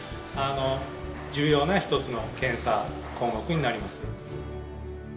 重要な一つの検査項目になります。